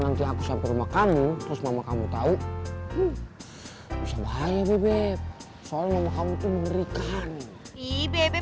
nanti aku sampai rumah kamu terus mama kamu tahu bisa bahaya beb soalnya kamu tuh mengerikan ibe